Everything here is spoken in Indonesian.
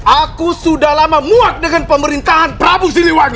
aku sudah lama muak dengan pemerintahan prabu siliwangi